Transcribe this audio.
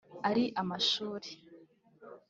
ari amashuri